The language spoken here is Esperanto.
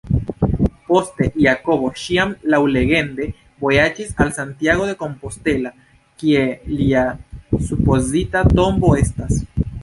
Poste, Jakobo ĉiam laŭlegende vojaĝis al Santiago de Compostela kie lia supozita tombo estas.